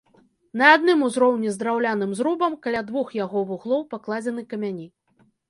На адным узроўні з драўляным зрубам каля двух яго вуглоў пакладзены камяні.